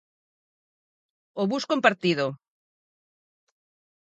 O bus compartido.